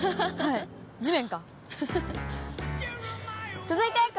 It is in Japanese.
地面か。